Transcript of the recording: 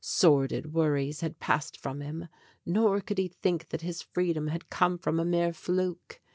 Sordid worries had passed from him; nor could he think that his freedom had come from a mere fluke.